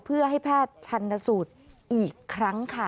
เพื่อให้แพทย์ชันสูตรอีกครั้งค่ะ